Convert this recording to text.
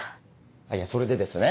いやそれでですね